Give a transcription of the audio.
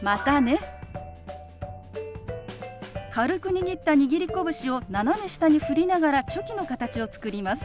軽く握った握り拳を斜め下に振りながらチョキの形を作ります。